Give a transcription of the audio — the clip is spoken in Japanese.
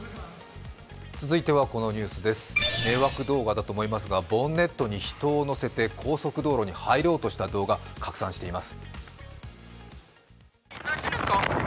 続いては迷惑動画だと思いますが、ボンネットに人を乗せて高速道路に入ろうとした動画が拡散しています。